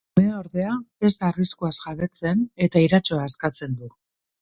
Umea, ordea, ez da arriskuaz jabetzen, eta iratxoa askatzen du.